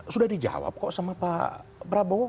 sudah dijawab kok sama pak prabowo